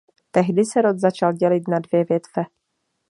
Tehdy se rod začal dělit na dvě větve.